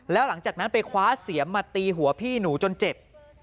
แล้วหลังจากนั้นไปคว้าเสียมมาตีหัวพี่หนูจนเจ็บ